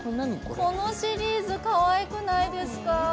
このシリーズかわいくないですか？